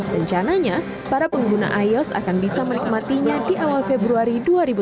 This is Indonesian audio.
rencananya para pengguna ios akan bisa menikmatinya di awal februari dua ribu tujuh belas